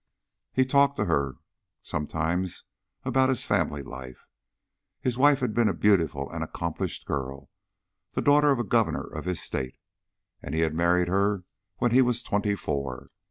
He talked to her sometimes about his family life. His wife had been a beautiful and accomplished girl, the daughter of a Governor of his State, and he had married her when he was twenty four.